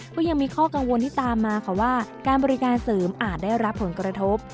ก็ยังมีข้อกังวลที่ตามมาค่ะว่าการบริการเสริมอาจได้รับผลกระทบ